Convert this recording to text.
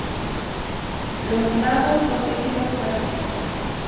Los Naboo son rígidos pacifistas.